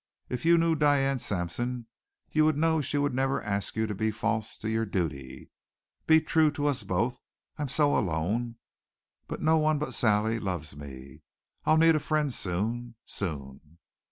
If you knew Diane Sampson you would know she would never ask you to be false to your duty. Be true to us both! I'm so alone no one but Sally loves me. I'll need a friend soon soon.